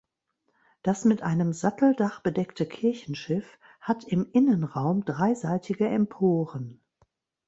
Das mit einem Satteldach bedeckte Kirchenschiff hat im Innenraum dreiseitige Emporen.